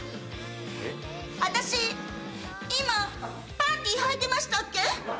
私いまパンティはいてましたっけ？